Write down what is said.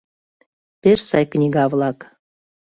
Пеш сай книга-влак